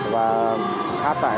và hát tại